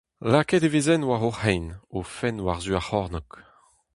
Lakaet e vezent war o c'hein, o fenn war-zu ar c'hornôg.